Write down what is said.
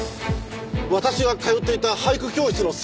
私が通っていた俳句教室の先生です！